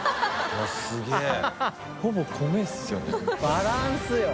バランスよ。